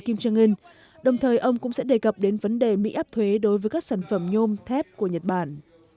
kim jong un đồng thời ông cũng sẽ đề cập đến vấn đề mỹ áp thuế đối với các sản phẩm nhôm thép của nhật bản